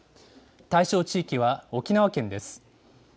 対象地域は沖縄県です。